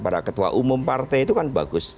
para ketua umum partai itu kan bagus